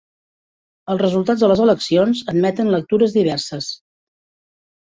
Els resultats de les eleccions admeten lectures diverses.